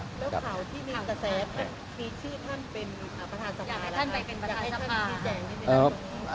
ที่มีชื่อท่านเป็นประธานสภาอยากให้ท่านไปเป็นประธานสภา